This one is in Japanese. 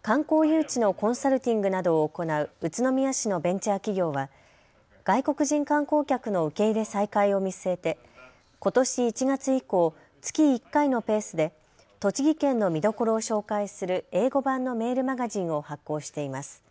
観光誘致のコンサルティングなどを行う宇都宮市のベンチャー企業は外国人観光客の受け入れ再開を見据えてことし１月以降月１回のペースで栃木県の見どころを紹介する英語版のメールマガジンを発行しています。